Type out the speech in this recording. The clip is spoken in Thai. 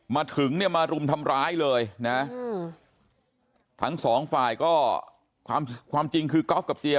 มาถึงเนี่ยมารุมทำร้ายเลยนะทั้งสองฝ่ายก็ความความจริงคือก๊อฟกับเจีย